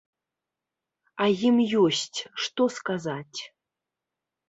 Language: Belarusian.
А ім ёсць, што сказаць.